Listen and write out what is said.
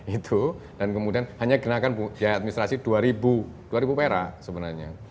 itu dan kemudian hanya kenakan biaya administrasi dua ribu dua ribu pera sebenarnya